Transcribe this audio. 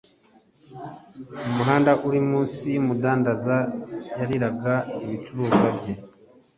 mu muhanda uri munsi yumudandaza yariraga ibicuruzwa bye.